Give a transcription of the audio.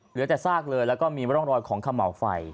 เหลือแต่ซากเลยแล้วก็มีร่องรอยของเขม่าวไฟ